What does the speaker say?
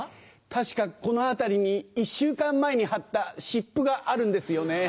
確かこの辺りに１週間前に貼った湿布があるんですよね。